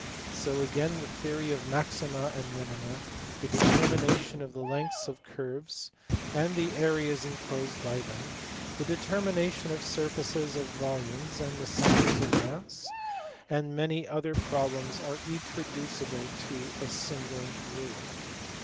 So again the theory of maxima and minima, the determination of the lengths of curves, and the areas en closed by them, the determination of surfaces, of volumes, and of centres of mass, and many other problems are each reducible to a single rule.